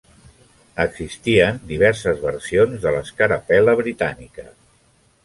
Existien diverses versions de l'escarapel.la britànica.